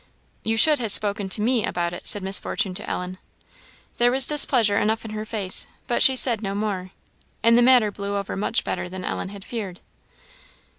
"You should ha' spoken to me about it," said Miss Fortune to Ellen. There was displeasure enough in her face: but she said no more, and the matter blew over much better than Ellen had feared.